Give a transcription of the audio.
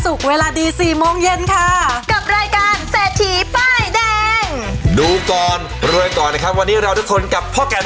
สวัสดีค่ะ